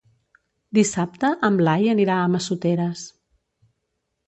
Dissabte en Blai anirà a Massoteres.